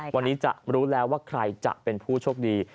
วันนี้จะรู้แล้วว่าใครจะเป็นผู้โชคดี